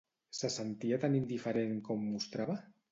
Se sentia tan indiferent com mostrava?